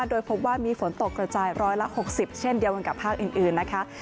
โดยพบว่ามีฝนตกกระจายร้อยละ๖๐เช่นเดียวกันกับภาคอื่นนะคะ